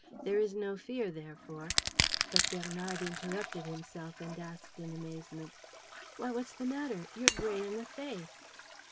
There is no fear, therefore. ..." But Bernard interrupted himself, and asked in amazement, "Why, what's the matter? You're gray in the face."